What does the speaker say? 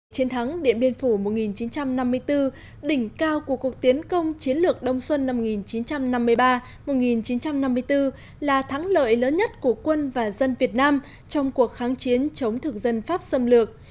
chiến thắng điện biên phủ một nghìn chín trăm năm mươi bốn đỉnh cao của cuộc tiến công chiến lược đông xuân một nghìn chín trăm năm mươi ba một nghìn chín trăm năm mươi bốn là thắng lợi lớn nhất của quân và dân việt nam trong cuộc kháng chiến chống thực dân pháp xâm lược